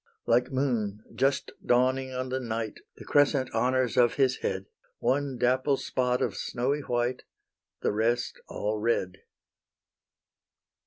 Like moon just dawning on the night The crescent honours of his head; One dapple spot of snowy white, The rest all red.